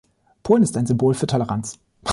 Polen ist ein Symbol für Toleranz.